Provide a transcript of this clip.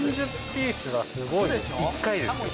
３０ピースはすごいですよ。